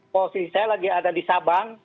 posisi saya lagi ada di sabang